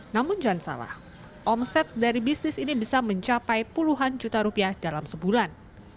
namun jangan salah omset dari bisnis ini bisa mencapai puluhan juta rupiah dalam sebulan